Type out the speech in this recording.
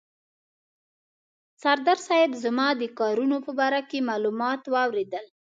سردار صاحب زما د کارونو په باره کې معلومات واورېدل.